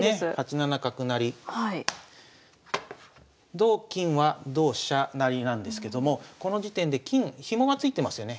同金は同飛車成なんですけどもこの時点で金ヒモがついてますよね。